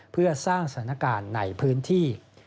เพื่อสร้างสถานการณ์ในพื้นที่